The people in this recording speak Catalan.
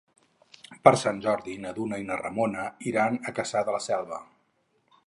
Per Sant Jordi na Duna i na Ramona iran a Cassà de la Selva.